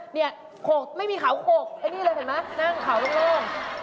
เนี่ยขกไม่มีเขาโขกไอ้นี่เลยเห็นไหมนั่งเขาโล่ง